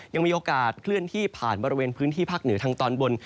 ยังมีโอกาสเคลื่อนที่ผ่านบริเวณพื้นที่ภาคเหนือทางตอนบน